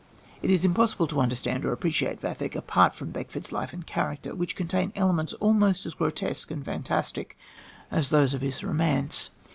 It is impossible to understand or appreciate Vathek apart from Beckford's life and character, which contain elements almost as grotesque and fantastic as those of his romance.